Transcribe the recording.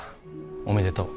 おめでとう。